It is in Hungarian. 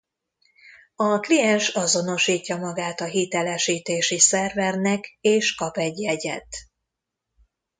A kliens azonosítja magát a hitelesítési szervernek és kap egy jegyet.